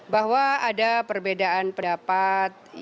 bahwa ada perbedaan pendapat